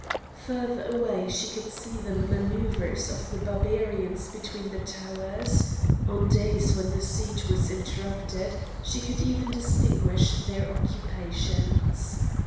Further away she could see the manouvres of the Barbarians between the towers; on days when the siege was interrupted she could even distinguish their occupations.